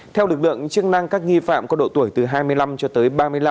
theo lực lượng chức năng các nghi phạm có độ tuổi từ hai mươi năm cho tới ba mươi năm